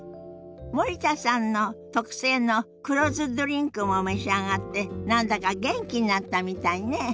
森田さんの特製の黒酢ドリンクも召し上がって何だか元気になったみたいね。